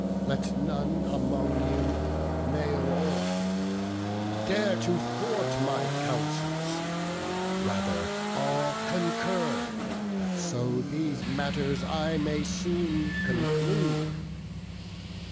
Let none among you, male or female, dare To thwart my counsels: rather all concur, That so these matters I may soon conclude.